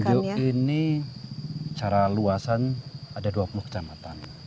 nganjuk ini secara luasan ada dua puluh kecamatan